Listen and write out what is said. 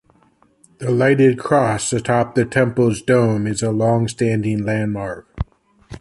The lighted cross atop the temple's dome is a longstanding landmark.